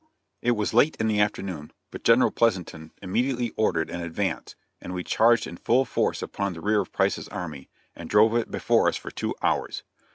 It was late in the afternoon, but General Pleasanton immediately ordered an advance, and we charged in full force upon the rear of Price's army, and drove it before us for two hours.